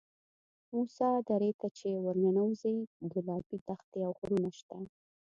موسی درې ته چې ورننوځې ګلابي دښتې او غرونه شته.